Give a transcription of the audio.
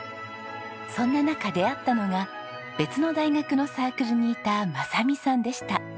そんな中出会ったのが別の大学のサークルにいた昌美さんでした。